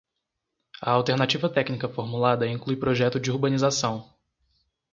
A alternativa técnica formulada inclui projeto de urbanização.